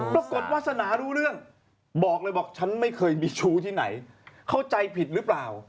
ปรากฏวาสนารู้เรื่องบอกเลยบอกฉันไม่เคยมีชู้ที่ไหนเข้าใจผิดหรือเปล่า